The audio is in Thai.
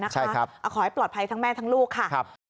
ขอให้ปลอดภัยทั้งแม่ทั้งลูกค่ะ